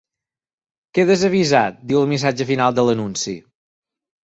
Quedes avisat, diu el missatge final de l’anunci.